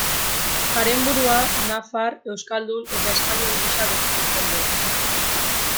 Haren burua nafar, euskaldun eta espainol gisa definitzen du.